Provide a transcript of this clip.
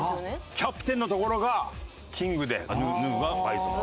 キャプテンのところがキングでヌーがバイソン。